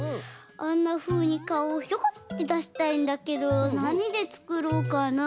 あんなふうにかおをひょこってだしたいんだけどなにでつくろうかな？